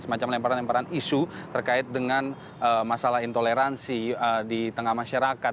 semacam lemparan lemparan isu terkait dengan masalah intoleransi di tengah masyarakat